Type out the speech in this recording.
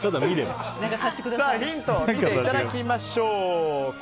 ヒント見ていただきましょう。